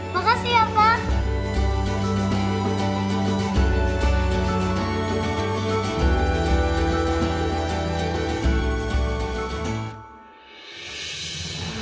makasih ya pak